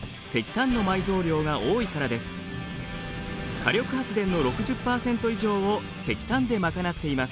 火力発電の６０％以上を石炭で賄っています。